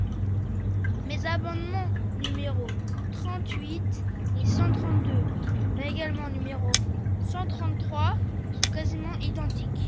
Mes amendements numéros trente-huit et cent trente-deux mais également numéro cent trente-trois sont quasiment identiques.